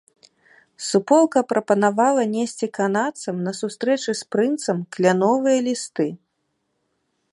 Суполка прапанавала несці канадцам на сустрэчы з прынцам кляновыя лісты.